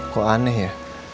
kok aneh ya